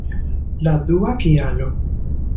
La dua kialo!